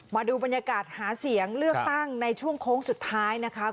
มาดูบรรยากาศหาเสียงเลือกตั้งในช่วงโค้งสุดท้ายนะคะ